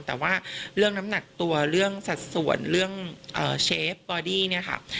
แต่ว่าเรื่องน้ำหนักตัวเรื่องสัดส่วนเรื่องเชฟบอดี้เนี่ยค่ะ